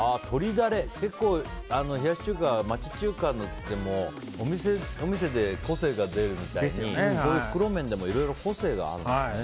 だれ、結構冷やし中華って町中華でもお店で個性が出るみたいにこういう袋麺でも個性が出るんですね。